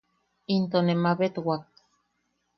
Into ne mabetwak.